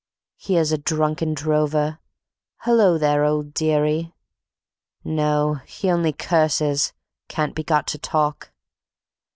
Here's a drunken drover: "Hullo, there, old dearie!" No, he only curses, can't be got to talk.